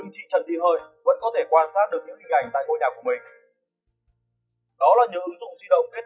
chú đã làm việc ở cơ quan nhưng chị trần thị hợi vẫn có thể quan sát được những hình ảnh tại ngôi nhà của mình